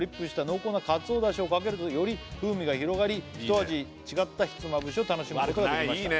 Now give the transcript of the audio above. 「濃厚なかつお出汁をかけるとより風味が広がり」「ひと味違ったひつまぶしを楽しむことができました」